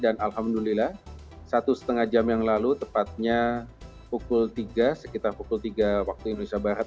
alhamdulillah satu setengah jam yang lalu tepatnya pukul tiga sekitar pukul tiga waktu indonesia barat